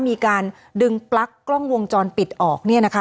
มีการดึงปลั๊กกล้องวงจรปิดออก